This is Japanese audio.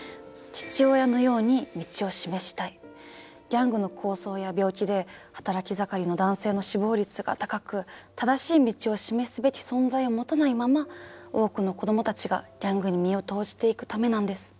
ギャングの抗争や病気で働き盛りの男性の死亡率が高く正しい道を示すべき存在を持たないまま多くの子どもたちがギャングに身を投じていくためなんです。